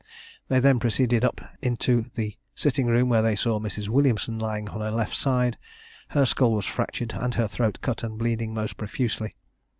They then proceeded up into the sitting room, where they saw Mrs. Williamson lying on her left side; her skull was fractured, and her throat cut and bleeding most profusely.